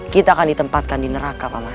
kita akan ditempatkan di neraka paman